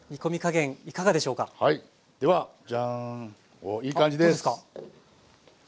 おっいい感じです！